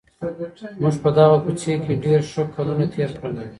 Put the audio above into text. موږ په دغه کوڅې کي ډېر ښه کلونه تېر کړل.